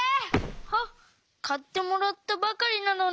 あっかってもらったばかりなのに。